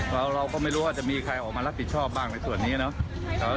เราก็ไม่รู้ว่าจะมีใครออกมารับผิดชอบบ้างในส่วนนี้เนาะ